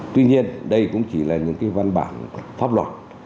tuy nhiên đây cũng chỉ là những cái văn bản pháp luật